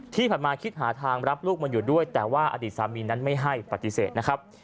ที่ผ่านมาคิดหาทางรับลูกมาอยู่ด้วยแต่ว่าอดีตสามีนั้นไม่ให้ปฏิเสธนะครับ